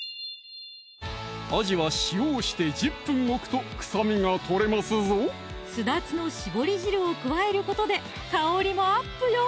アジは塩をして１０分置くと臭みが取れますぞすだちの絞り汁を加えることで香りもアップよ！